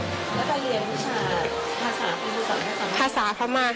แล้วก็เรียนวิชาภาษาพม่า